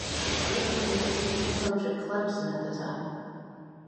Rick was an assistant coach at Clemson at the time.